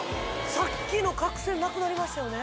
さっきの角栓なくなりましたよね